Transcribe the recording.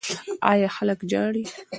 ایا هلک ژاړي؟